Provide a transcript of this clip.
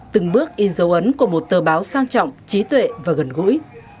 từng bước in dấu ấn của một tờ báo sang trọng trí tuệ và gần gũi